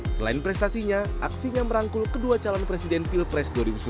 selain prestasinya aksinya merangkul kedua calon presiden pilpres dua ribu sembilan belas